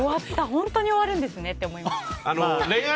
本当に終わるんですねって思いました。